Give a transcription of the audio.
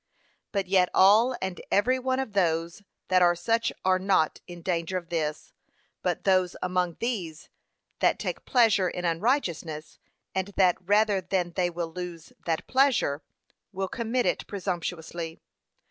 But yet all and every one of those that are such are not in danger of this; but those among these that take pleasure in unrighteousness, and that rather than they will lose that pleasure, will commit it presumptuously.